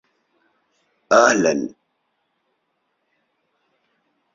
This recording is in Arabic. ظبيك يا ذا حسن وجهه